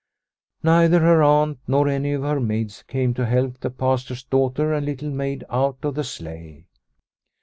Neither her aunt nor any of her maids came to help the Pastor's daughter and Little Maid out of the sleigh.